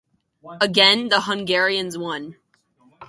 Again the Hungarians won.